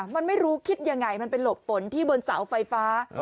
มันไม่รู้คิดยังไงมันไปหลบฝนที่บนเสาไฟฟ้า